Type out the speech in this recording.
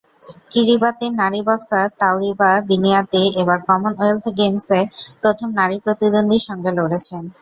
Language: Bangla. কিরিবাতির নারী বক্সার তাওরিবা বিনিয়াতি এবার কমনওয়েলথ গেমসেই প্রথম নারী প্রতিদ্বন্দ্বীর সঙ্গে লড়েছেন।